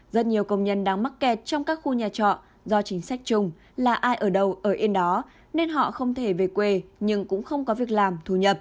rất nhiều công nhân đang mắc kẹt trong các khu nhà trọ do chính sách chung là ai ở đầu ở yên đó nên họ không thể về quê nhưng cũng không có việc làm thu nhập